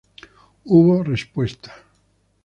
Hubo respuesta.